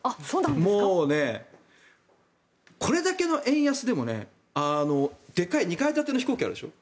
もうね、これだけの円安でもでかい２階建ての飛行機あるでしょ。